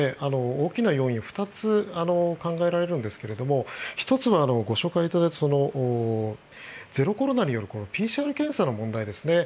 大きな要因は２つ考えられるんですが１つはご紹介いただいたゼロコロナによるＰＣＲ検査の問題ですね。